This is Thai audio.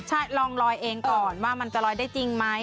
ใช่ลองลอยเองก่อนว่ามันจะลอยได้จริงไหม